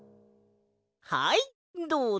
はいどうぞ！